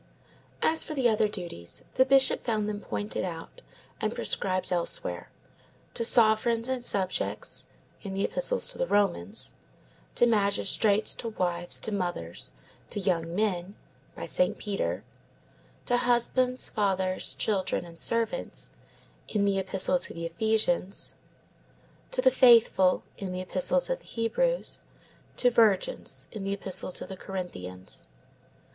As for the other duties the Bishop found them pointed out and prescribed elsewhere: to sovereigns and subjects, in the Epistle to the Romans; to magistrates, to wives, to mothers, to young men, by Saint Peter; to husbands, fathers, children and servants, in the Epistle to the Ephesians; to the faithful, in the Epistle to the Hebrews; to virgins, in the Epistle to the Corinthians.